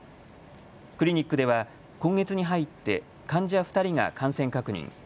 クリニックでは今月に入って患者２人が感染確認。